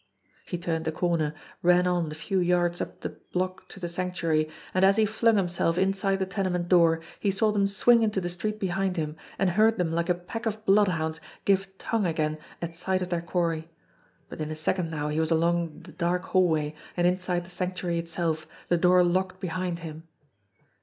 He turned the corner, ran on the few yards up the clock to the Sanctuary, and as he flung himself inside the tenement door he saw them swing into the street behind him, and heard them like a pack of bloodhounds give tongue again at sight of their quarry. But in a second now he was along the dark hallway and inside the Sanctuary itself, the door locked behind him.